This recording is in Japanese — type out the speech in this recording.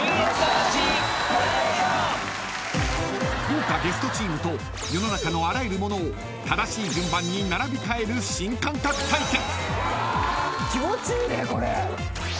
［豪華ゲストチームと世の中のあらゆるものを正しい順番に並び替える新感覚対決！］